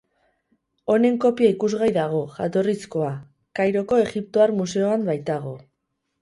Honen kopia ikusgai dago, jatorrizkoa, Kairoko Egiptoar Museoan baitago.